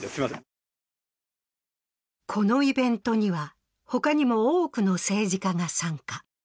このイベントには、他にも多くの政治家が参加。